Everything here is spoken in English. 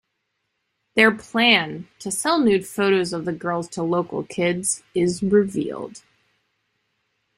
Their plan, to sell nude photos of the girls to local kids, is revealed.